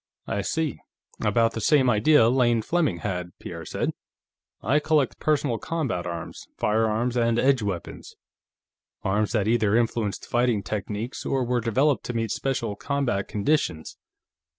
"I see; about the same idea Lane Fleming had," Pierre said. "I collect personal combat arms, firearms and edge weapons. Arms that either influenced fighting techniques, or were developed to meet special combat conditions.